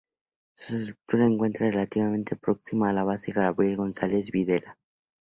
Sus estructura encuentra relativamente próxima a la Base Gabriel González Videla.